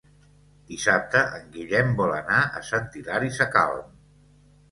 Dissabte en Guillem vol anar a Sant Hilari Sacalm.